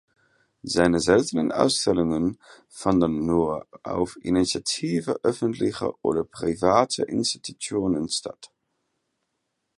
Seine seltenen Ausstellungen fanden nur auf Initiative öffentlicher oder privater Institutionen statt.